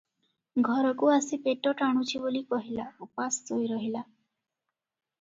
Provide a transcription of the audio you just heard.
ଘରକୁ ଆସି ପେଟ ଟାଣୁଛିବୋଲି କହିଲା, ଉପାସ ଶୋଇରହିଲା ।